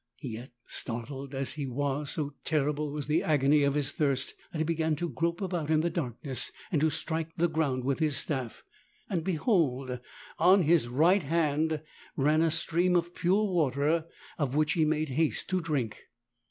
Yet, startled as he was, so terrible was the agony of his thirst that he began to grope about in the darkness and to strike the ground with his staff. And behold ! on his right hand ran a stream of pure water — of which he made haste to drink.